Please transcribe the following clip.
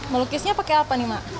melukisnya pakai apa nih mak